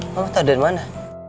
mama tak ada di mana